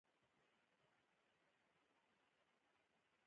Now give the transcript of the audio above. هغوی د سړک پر غاړه د روښانه پسرلی ننداره وکړه.